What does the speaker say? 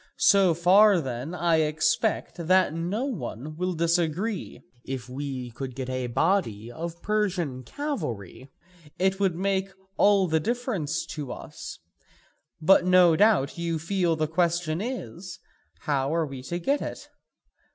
So far then I expect that no one will disagree: if we could get a body of Persian cavalry it would make all the difference to us; but no doubt you feel the question is, how are we to get it?